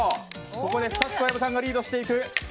ここで２つ小籔さんがリードしていく。